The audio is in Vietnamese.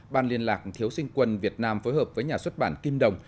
ban liên lạc thiếu sinh quân việt nam phối hợp với nhà xuất bản kim đồng